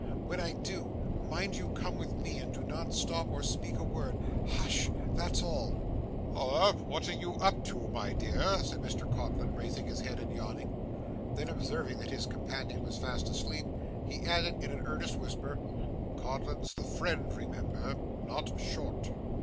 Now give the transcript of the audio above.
When I do, mind you come with me, and do not stop or speak a word. Hush! That's all.' 'Halloa! what are you up to, my dear?' said Mr Codlin, raising his head, and yawning. Then observing that his companion was fast asleep, he added in an earnest whisper, 'Codlin's the friend, remember not Short.